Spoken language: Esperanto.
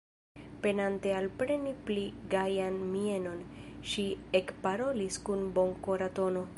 Penante alpreni pli gajan mienon, ŝi ekparolis kun bonkora tono: